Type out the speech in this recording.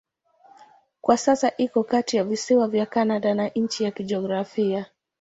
Kwa sasa iko kati ya visiwa vya Kanada na ncha ya kijiografia.